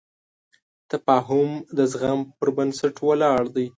تفاهم د زغم په بنسټ ولاړ دی.